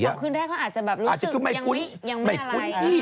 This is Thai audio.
สองคืนแรกเขาอาจจะรู้สึกยังไม่คุ้นที่